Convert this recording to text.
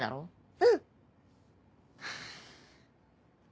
うん！